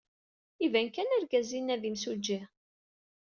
Iban kan argaz-inna d imsujji.